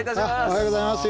おはようございます。